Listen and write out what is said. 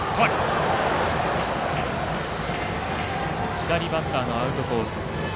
左バッターのアウトコース。